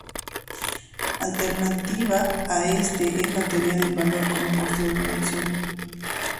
Alternativa a esta es la teoría del valor como costo de producción.